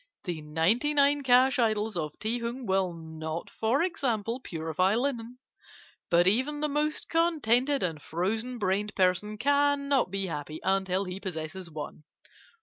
The ninety nine cash idols of Ti Hung will not, for example, purify linen, but even the most contented and frozen brained person cannot be happy until he possesses one.